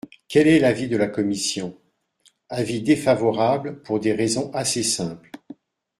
Quel est l’avis de la commission ? Avis défavorable pour des raisons assez simples.